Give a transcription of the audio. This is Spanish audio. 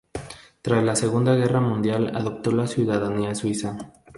Tras la Segunda Guerra Mundial adoptó la ciudadanía suiza.